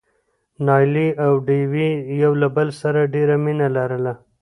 نايلې او ډوېوې يو له بل سره ډېره مينه لرله.